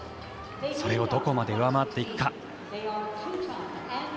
それをどこまで上回っていくか。